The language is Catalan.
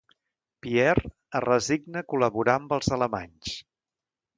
Pierre es resigna a col·laborar amb els alemanys.